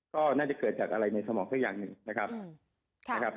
ก็น่าจะเกิดจากอะไรในสมองสักอย่างหนึ่งนะครับ